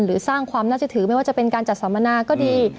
สร้างความน่าจะถือไม่ว่าจะเป็นการจัดสัมมนาก็ดี